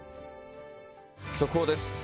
速報です。